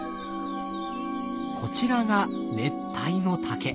こちらが熱帯の竹。